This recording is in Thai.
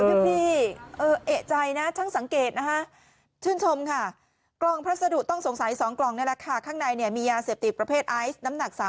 เนี้ยเอกใจนะท่างสังเกตนะคะชื่นชมค่ะกล่องพัสตุต้องสงสัยสองกล่องนี่แหละค่ะ